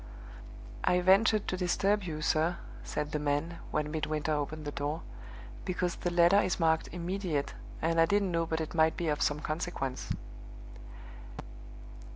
"I ventured to disturb you, sir," said the man, when Midwinter opened the door, "because the letter is marked 'Immediate,' and I didn't know but it might be of some consequence."